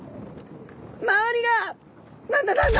周りが何だ何だ？